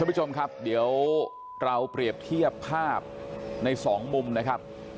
ผู้ชมครับเดี๋ยวเราเปรียบเทียบภาพในสองมุมนะครับ